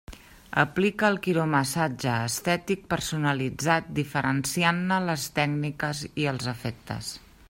Aplica el quiromassatge estètic personalitzat diferenciant-ne les tècniques i els efectes.